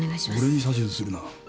俺に指図するな。